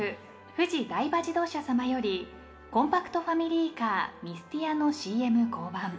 フジダイバ自動車さまよりコンパクトファミリーカーミスティアのＣＭ降板。